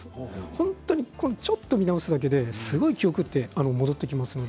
本当にちょっと見直すだけですごい記憶は戻ってきます。